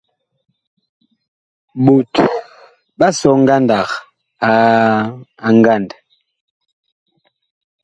Ɓot ɓa sɔ ngandag a ngand.